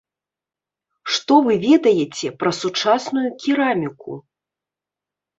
Што вы ведаеце пра сучасную кераміку?